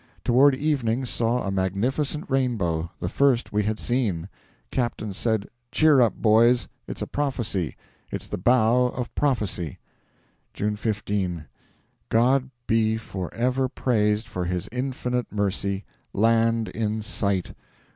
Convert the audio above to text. Toward evening saw a magnificent rainbow THE FIRST WE HAD SEEN. Captain said, 'Cheer up, boys; it's a prophecy IT'S THE BOW OF PROMISE!' June 15. God be for ever praised for His infinite mercy! LAND IN SIGHT!